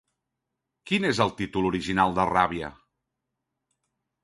Quin és el títol original de Ràbia?